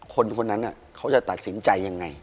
คนนั้นเขาจะตัดสินใจอย่างไร